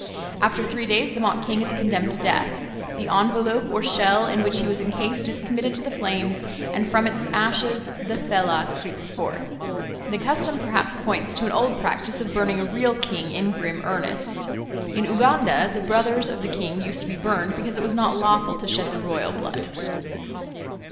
After three days the mock king is condemned to death; the envelope or shell in which he was encased is committed to the flames, and from its ashes the Fellah creeps forth. The custom perhaps points to an old practice of burning a real king in grim earnest. In Uganda the brothers of the king used to be burned, because it was not lawful to shed the royal blood.